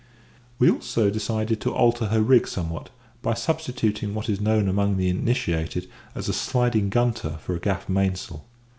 We also decided to alter her rig somewhat, by substituting what is known among the initiated as a "sliding gunter" for a gaff mainsail.